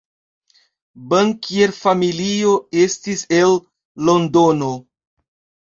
Bankierfamilio estis el Londono.